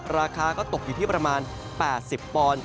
ราคาก็ตกอยู่ที่ประมาณ๘๐ปอนด์